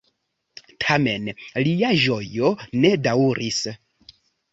Tamen, lia ĝojo ne daŭris.